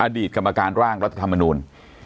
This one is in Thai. อดีตกรรมการร่างรัฐธรรมนูล